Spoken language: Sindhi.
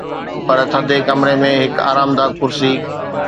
پر ٿڌي ڪمري ۾ هڪ آرامده ڪرسي